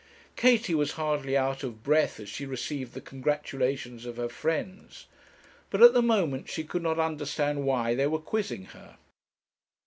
Katie was hardly out of breath as she received the congratulations of her friends; but at the moment she could not understand why they were quizzing her.